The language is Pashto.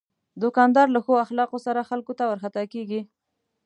دوکاندار له ښو اخلاقو سره خلکو ته ورخطا کېږي.